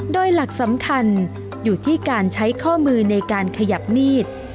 โดยหลักสำคัญอยู่ที่การใช้ข้อมือในการขยับมีด